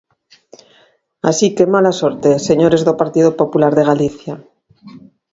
Así que ¡mala sorte, señores do Partido Popular de Galicia!